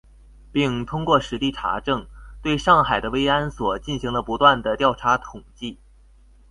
并通过实地查证，对上海的慰安所进行了不断地调查统计